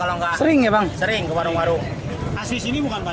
asis ini bukan pak dia